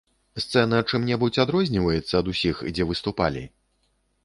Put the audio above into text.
Сцэна чым-небудзь адрозніваецца ад усіх, дзе выступалі?